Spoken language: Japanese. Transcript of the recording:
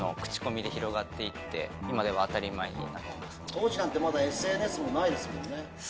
当時なんてまだＳＮＳもないですもんね。